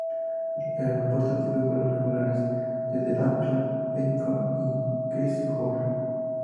El aeropuerto recibe vuelos regulares desde Auckland, Wellington y Christchurch.